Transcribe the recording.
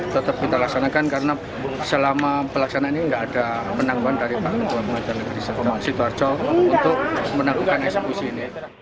tetap kita laksanakan karena selama pelaksanaan ini tidak ada penangguhan dari pak ketua pengadilan negeri sidoarjo untuk menakutkan eksekusi ini